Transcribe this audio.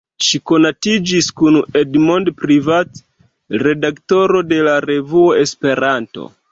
Ŝi konatiĝis kun Edmond Privat, redaktoro de la revuo "Esperanto".